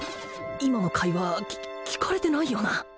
今の会話聞かれてないよな？